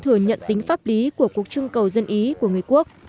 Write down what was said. phải là tính pháp lý của cuộc trưng cầu dân ý của người quốc